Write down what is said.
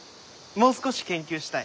もう少し研究したい。